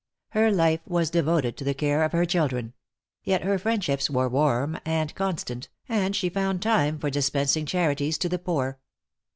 Her life was devoted to the care of her children; yet her friendships were warm and constant, and she found time for dispensing charities to the poor.